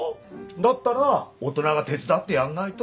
だったら大人が手伝ってやんないと。